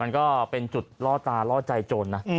มันก็เป็นจุดล่อตาล่อใจโจรนะ